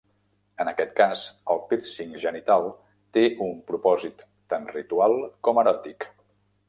En aquest cas, el pírcing genital té un propòsit tant ritual com eròtic.